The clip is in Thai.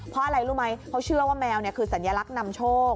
เพราะอะไรรู้ไหมเขาเชื่อว่าแมวคือสัญลักษณ์นำโชค